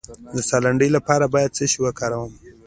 د ساه لنډۍ لپاره باید څه شی وکاروم؟